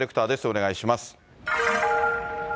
お願いします。